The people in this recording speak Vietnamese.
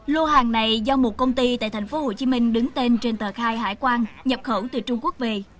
lô hàng này do một công ty tại tp hcm đứng tên trên tờ khai hải quan nhập khẩu từ trung quốc về